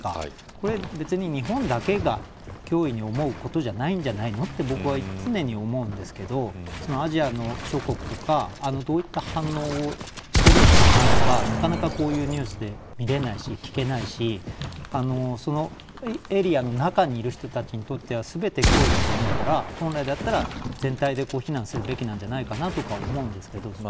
これ別に日本だけが脅威に思うことじゃないんじゃないのと僕は常に思うんですけどアジアの諸国とかどういった反応をしてるのかなとかなかなかこういうニュースで見れないし、聞けないけれどそのエリアの中にいる人たちにとっては全て脅威だと思うから本来だったら前提で非難するべきなんじゃないかなと思うんですけど。